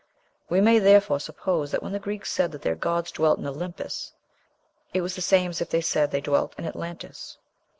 We may, therefore, suppose that when the Greeks said that their gods dwelt in "Olympus," it was the same as if they said that they dwelt in "Atlantis."